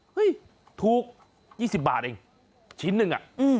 เฮ้ยทูกยี่สิบบาทเองชิ้นหนึ่งอ่ะอืม